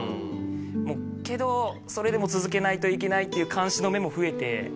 けどそれでも続けないといけないっていう監視の目も増えて。